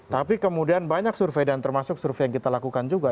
tapi kemudian banyak survei dan termasuk survei yang kita lakukan juga